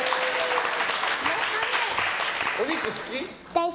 お肉好き？